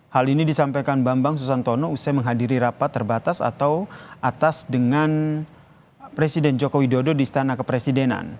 hal ini disampaikan bambang susantono usai menghadiri rapat terbatas atau atas dengan presiden joko widodo di istana kepresidenan